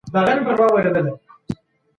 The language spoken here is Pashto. د پښتو لپاره باید یو نوی کلتوري مرکز پرانیستل سي.